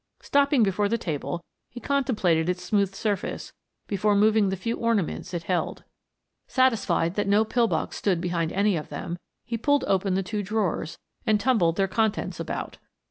Stopping before the table he contemplated its smooth surface before moving the few ornaments it held. Satisfied that no pillbox stood behind any of them, he pulled open the two drawers and tumbled their contents about.